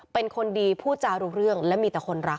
เป็นคนดีพูดจารู้เรื่องและมีแต่คนรัก